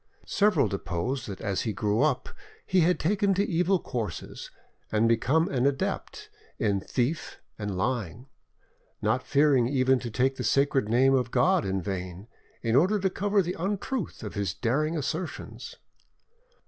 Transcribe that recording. Several deposed that as he grew up he had taken to evil courses, and become an adept in theft and lying, not fearing even to take the sacred name of God in vain, in order to cover the untruth of his daring assertions.